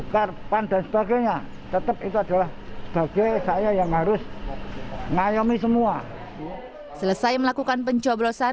karpan dan sebagainya tetap itu adalah bagai saya yang harus ngayomi semua selesai melakukan pencoblosan